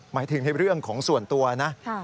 หมายถึงในเรื่องของส่วนตัวนะ